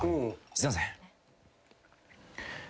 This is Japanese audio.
すいません。